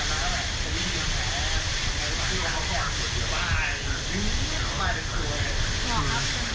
ตามนั่งนัด่วง